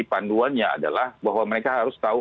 panduannya adalah bahwa mereka harus menjaga keamanan